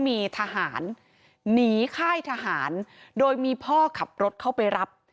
มีทหารหนีค่ายทหารโดยมีพ่อขับรถเข้าไปรับ